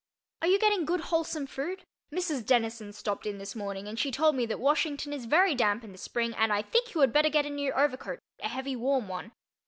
Are you getting good wholesome food? Mrs. Dennison stopped in this morning and she told me that Washington is very damp in the spring and I think you had better get a new overcoat—a heavy warm one.